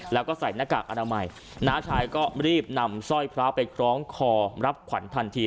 แล้วก็ใส่หน้ากากอนามัยน้าชายก็รีบนำสร้อยพระไปคล้องคอรับขวัญทันที